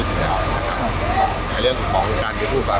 เพราะว่าเมืองนี้จะเป็นที่สุดท้าย